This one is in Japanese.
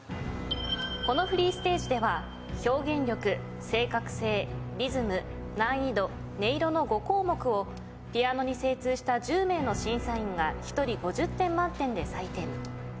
このフリーステージでは表現力正確性リズム難易度音色の５項目をピアノに精通した１０名の審査員が１人５０点満点で採点。